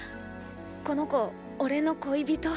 この子おれの“恋人”？